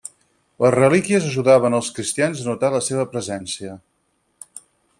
Les relíquies ajudaven als cristians a notar la seva presència.